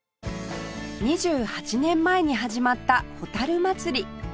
２８年前に始まったホタル祭り